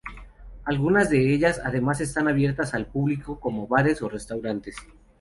Algunas de ellas además están abiertas al público como bares o restaurantes.